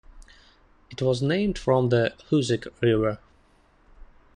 It was named from the Hoosic River.